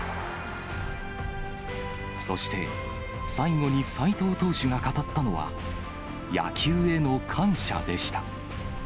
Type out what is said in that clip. そして、最後に斎藤投手が語ったのは、野球への感謝でした。